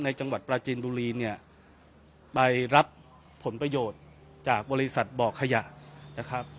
จังหวัดปราจีนบุรีเนี่ยไปรับผลประโยชน์จากบริษัทบ่อขยะนะครับ